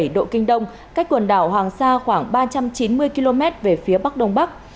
một trăm một mươi ba bảy độ kinh đông cách quần đảo hoàng sa khoảng ba trăm chín mươi km về phía bắc đông bắc